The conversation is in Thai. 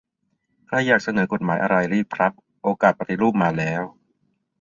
ใครอยากเสนอกฎหมายอะไร รีบครับ โอกาสปฏิรูปมาแล้ว